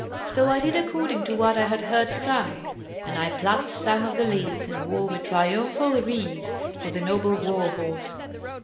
So I did according to what I had heard sung; and I plucked some of the leaves, and wove a triumphal wreath for the noble war horse.